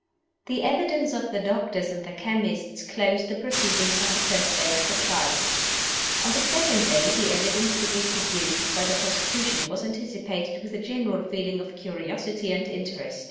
THE evidence of the doctors and the chemists closed the proceedings on the first day of the Trial. On the second day the evidence to be produced by the prosecution was anticipated with a general feeling of curiosity and interest.